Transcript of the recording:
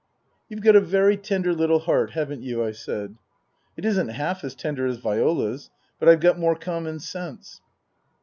" You've got a very tender little heart, haven't you ?" I said. " It isn't half as tender as Viola's. But I've got more common sense."